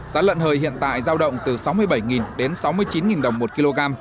giá lợn hơi hiện tại giao động từ sáu mươi bảy đến sáu mươi chín đồng một kg